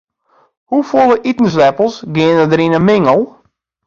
Hoefolle itensleppels geane der yn in mingel?